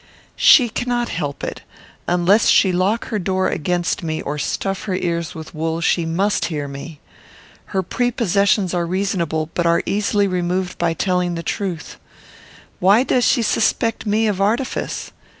"She cannot help it. Unless she lock her door against me, or stuff her ears with wool, she must hear me. Her prepossessions are reasonable, but are easily removed by telling the truth. Why does she suspect me of artifice?